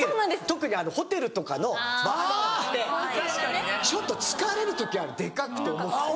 特にホテルとかのバスタオルってちょっと疲れる時あるデカくて重くて。